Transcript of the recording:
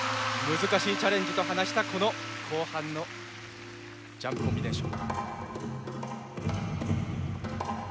難しいチャレンジと話したこの後半のジャンプコンビネーション。